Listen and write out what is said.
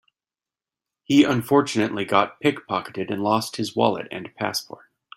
He unfortunately got pick-pocketed and lost his wallet and passport.